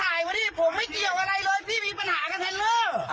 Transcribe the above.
ถ่ายกว่าดีผมไม่เกี่ยวกับอะไรเลยพี่มีปัญหากันแทนเลอร์เออ